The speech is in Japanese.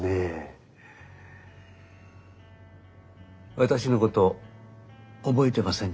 私のこと覚えてませんか？